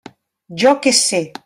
Jo què sé!